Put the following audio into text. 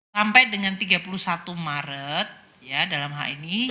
sampai dengan tiga puluh satu maret ya dalam hal ini